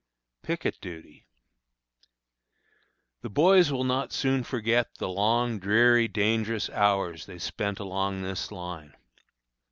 PICKET DUTY. The boys will not soon forget the long, dreary, dangerous hours they spent along this line.